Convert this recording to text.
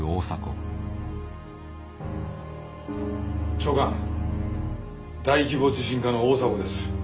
長官大規模地震課の大迫です。